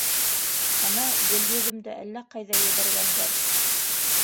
Ана, Гөлйөҙөмдө әллә ҡайҙа ебәргәндәр.